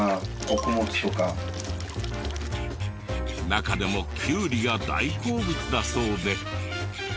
中でもキュウリが大好物だそうで。